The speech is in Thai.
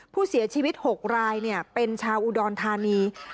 ผู้เสียชีวิต๖รายเป็นชาวอุดรธานี